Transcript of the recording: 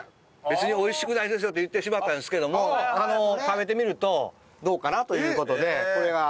「別に美味しくないですよ」って言ってしまったんですけども食べてみるとどうかなという事でこれが。